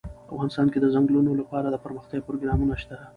افغانستان کې د ځنګلونه لپاره دپرمختیا پروګرامونه شته.